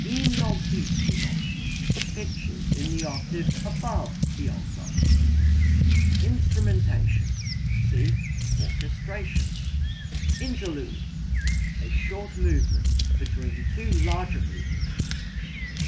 In altissimo pitches in the octave above the alt octave. Instrumentation see orchestration. Interlude a short movement between two larger movements.